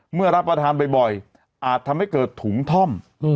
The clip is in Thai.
รับประทานบ่อยอาจทำให้เกิดถุงท่อม